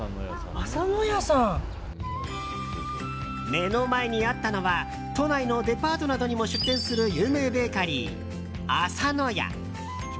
目の前にあったのは都内のデパートなどにも出店する有名ベーカリー、浅野屋。